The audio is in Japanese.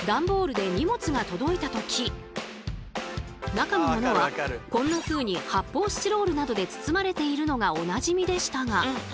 中の物はこんなふうに発泡スチロールなどで包まれているのがおなじみでしたが。